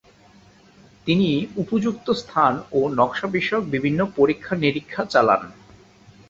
তিনি উপযুক্ত স্থান ও নকশা বিষয়ক বিভিন্ন পরীক্ষা-নিরীক্ষা চালান।